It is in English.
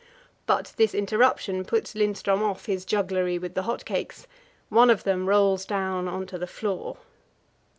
But this interruption puts Lindström off his jugglery with the hot cakes one of them rolls down on to the floor.